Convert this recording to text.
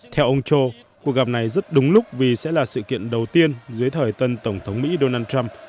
theo ông cho cuộc gặp này rất đúng lúc vì sẽ là sự kiện đầu tiên dưới thời tân tổng thống mỹ donald trump